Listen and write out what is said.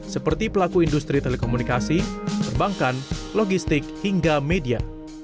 seperti pelaku industri telekomunikasi perbankan logistik hingga media